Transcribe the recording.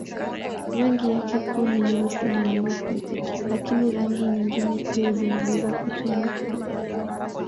Rangi yake kuu ni nyeusi na nyeupe, lakini rangi nyingine pia zinaweza kutumika.